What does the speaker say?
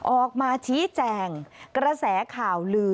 ออกมาชี้แจงกระแสข่าวลือ